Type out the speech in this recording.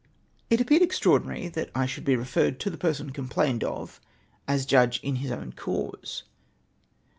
"It appeared extraordinary that I should be referred to the person complained of, as judge in his own cause.